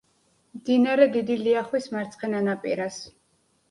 მდინარე დიდი ლიახვის მარცხენა ნაპირას.